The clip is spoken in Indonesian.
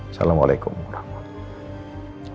assalamualaikum warahmatullahi wabarakatuh